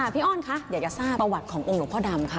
พี่อ้อนคะอยากจะทราบประวัติขององค์หลวงพ่อดำค่ะ